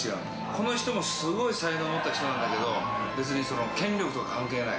この人もすごい才能を持った人なんだけど別に権力とか関係ない。